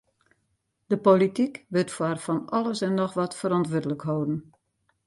De polityk wurdt foar fan alles en noch wat ferantwurdlik holden.